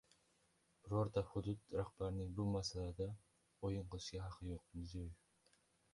"Birorta hudud rahbarining bu masalada “o‘yin qilishga ”haqi yo‘q" – Mirziyoyev